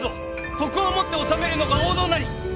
徳をもって治めるのが王道なり！